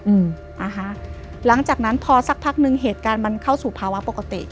อืมนะคะหลังจากนั้นพอสักพักหนึ่งเหตุการณ์มันเข้าสู่ภาวะปกติ